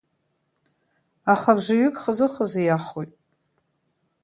Аха абжаҩык хаз-хазы иахоит.